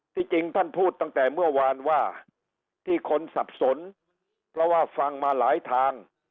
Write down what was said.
จริงท่านพูดตั้งแต่เมื่อวานว่าที่คนสับสนเพราะว่าฟังมาหลายทาง